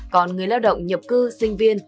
còn người lao động nhập cư sinh viên